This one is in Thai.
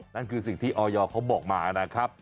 นั่นคือสิ่งที่ออยเขาบอกมานะครับ